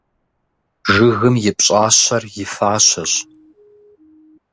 Жыгым и пщӀащэр и фащэщ.